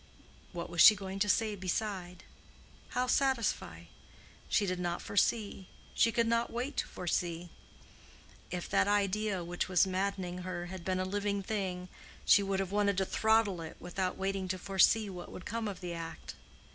What was she going to say beside? How satisfy? She did not foresee—she could not wait to foresee. If that idea which was maddening her had been a living thing, she would have wanted to throttle it without waiting to foresee what would come of the act.